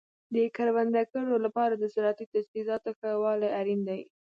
د کروندګرو لپاره د زراعتي تجهیزاتو ښه والی اړین دی.